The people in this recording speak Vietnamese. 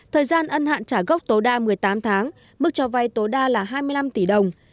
thời gian ân hạn trả gốc tối đa một mươi tám tháng mức cho vay tối đa là hai mươi năm tỷ đồng